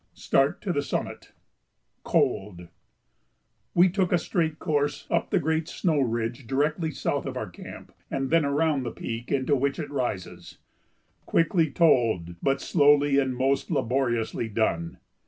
] [Sidenote: Start to the Summit] [Sidenote: Cold] We took a straight course up the great snow ridge directly south of our camp and then around the peak into which it rises; quickly told but slowly and most laboriously done.